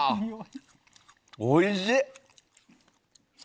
おいしい！